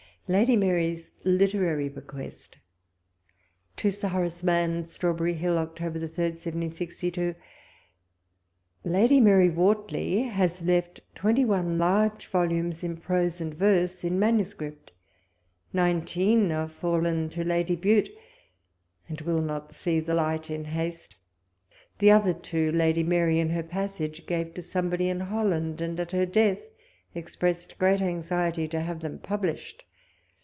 LADY MAnVS LITKIiAnY BKQULST. To Sir Hor.\ce M.\nn. Strawberry Hill, Oct. 3, 1762. ... Lady Mary Wortley has left twenty one large volumes in prose and verse, in manu script ; nineteen are fallen to Lady Bute, and will not see the light in haste. The other two Lady Marj' in her passage gave to somebody in Holland, and at her death expressed great anxiety to have them published.